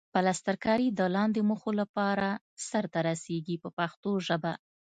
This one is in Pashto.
پلسترکاري د لاندې موخو لپاره سرته رسیږي په پښتو ژبه.